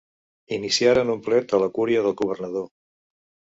Iniciaren un plet a la cúria del governador.